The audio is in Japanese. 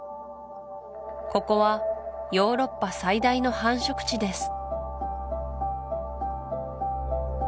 ここはヨーロッパ最大の繁殖地です